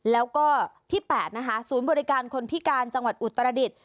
แล้วก็ที่๘นะคะศูนย์บริการคนพิการจังหวัดอุตรดิษฐ